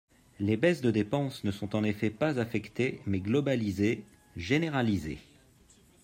Les baisses de dépenses ne sont en effet pas affectées mais globalisées, généralisées.